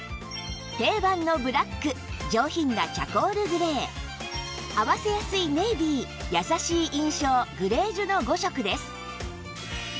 定番のブラック上品なチャコールグレー合わせやすいネイビー優しい印象グレージュの５色です